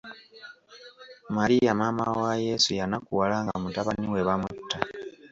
Maria maama wa Yesu yanakuwala nga mutabani we bamutta.